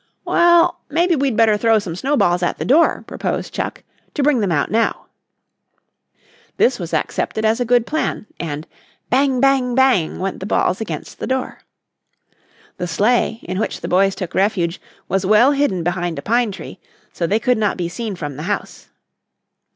"Well, maybe we'd better throw some snowballs at the door," proposed Chuck, "to bring them out now." This was accepted as a good plan, and "Bang, bang, bang!" went the balls against the door. The sleigh, in which the boys took refuge, was well hidden behind a pine tree, so they could not be seen from the house.